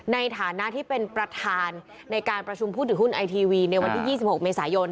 ในฐานะที่เป็นประธานในการประชุมผู้ถือหุ้นไอทีวีในวันที่๒๖เมษายน